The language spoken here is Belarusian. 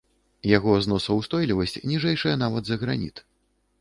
Яго зносаўстойлівасць ніжэйшая нават за граніт.